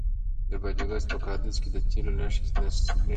د بادغیس په قادس کې د تیلو نښې شته.